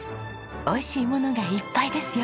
美味しいものがいっぱいですよ。